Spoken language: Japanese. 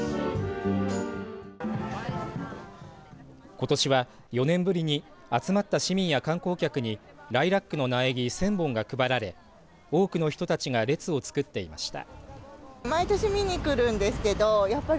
ことしは４年ぶりに集まった市民や観光客にライラックの苗木１０００本が配られ多くの人たちが列を作っていました。